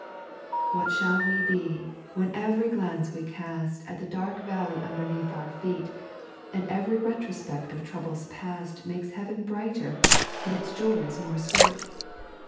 "What shall we be, when every glance we cast At the dark valley underneath our feet, And every retrospect of troubles past Makes heaven brighter and its joys more sweet